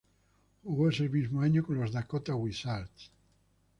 Jugó ese mismo año con los Dakota Wizards.